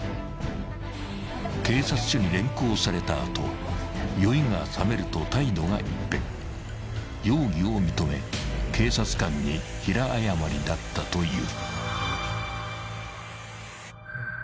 ［警察署に連行された後酔いがさめると態度が一変容疑を認め警察官に平謝りだったという］